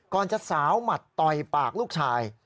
ก่อนเชิญสาวมาต่อยปากลูกชาย